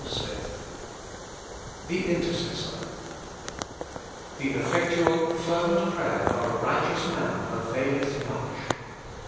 XXXVI THE INTEECESSOE "The effectual fervent prayer of a righteous man availeth much.